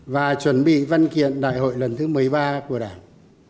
và chuẩn bị văn kiện đại hội lần thứ một mươi ba của đảng